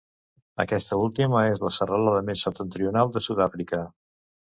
Aquesta última és la serralada més septentrional de Sud-àfrica.